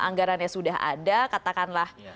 anggarannya sudah ada katakanlah